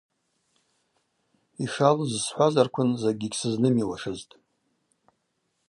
Йшалыз схӏвазарквын закӏгьи гьсызнымиуашызтӏ.